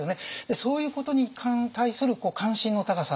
そういうことに対する関心の高さ。